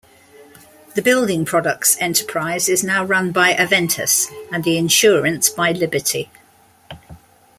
The building products enterprise is now run by Aventas and the insurance by Liberty.